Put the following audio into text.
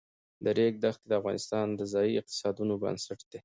د ریګ دښتې د افغانستان د ځایي اقتصادونو بنسټ دی.